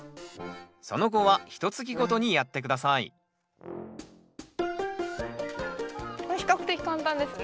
その後はひとつきごとにやって下さいこれ比較的簡単ですね。